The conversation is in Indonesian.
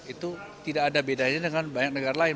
itu tidak ada bedanya dengan banyak negara lain